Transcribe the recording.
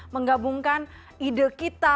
menggabungkan ide kita